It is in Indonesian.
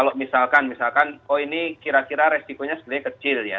kalau misalkan misalkan oh ini kira kira resikonya sebenarnya kecil ya